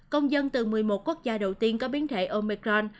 công dân từ một mươi một quốc gia đầu tiên có biến thể omecron